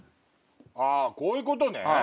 あこういうことね。